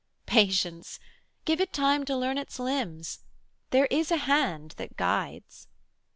Patience! Give it time To learn its limbs: there is a hand that guides.'